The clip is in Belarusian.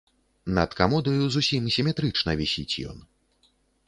Над камодаю зусім сіметрычна вісіць ён.